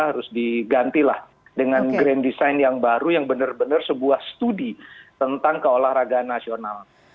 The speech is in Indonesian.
harus digantilah dengan grand design yang baru yang benar benar sebuah studi tentang keolahragaan nasional